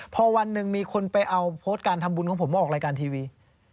พอวันหนึ่งมีคนไปเอาโพสต์การทำบุญของผมมาออกรายการทีวี